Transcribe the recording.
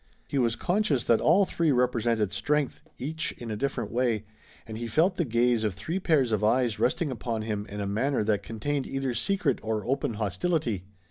He was conscious that all three represented strength, each in a different way, and he felt the gaze of three pairs of eyes resting upon him in a manner that contained either secret or open hostility.